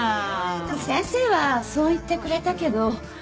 先生はそう言ってくれたけど